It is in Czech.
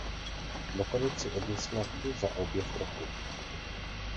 Nakonec si odnesla tu za "Objev roku".